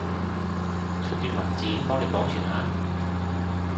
出段文字，幫你廣傳下？